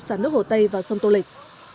xả nước hồ tây vào sông tô lịch